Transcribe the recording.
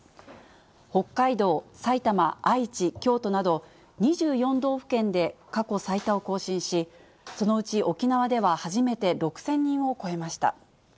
北海道、埼玉、愛知、京都など、２４道府県で過去最多を更新し、そのうち沖縄では初めて６０００人を超えました。